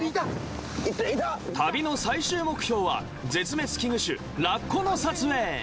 旅の最終目標は絶滅危惧種ラッコの撮影。